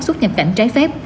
xuất nhập cảnh trái phép